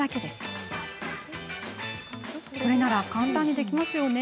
これなら簡単にできそうですね。